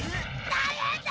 大変だ！